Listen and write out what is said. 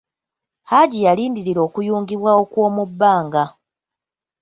Haji yalindirira okuyungibwa okw'omu bbanga.